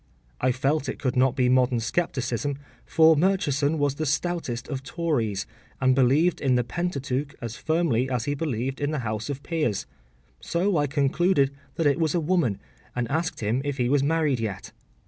I felt it could not be modern scepticism, for Murchison was the stoutest of Tories, and believed in the Pentateuch as firmly as he believed in the House of Peers; so I concluded that it was a woman, and asked him if he was married yet.